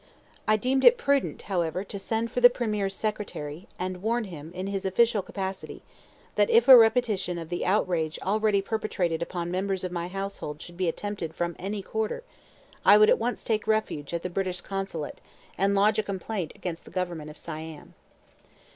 I deemed it prudent, however, to send for the premier's secretary, and warn him, in his official capacity, that if a repetition of the outrage already perpetrated upon members of my household should be attempted from any quarter, I would at once take refuge at the British consulate, and lodge a complaint against the government of Siam.